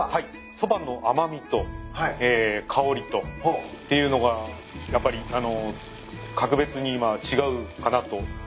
そばの甘味と香りとっていうのがやっぱり格別に違うかなと私は思っております。